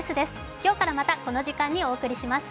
今日からまたこの時間にお送りします。